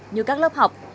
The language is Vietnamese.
như các lớp học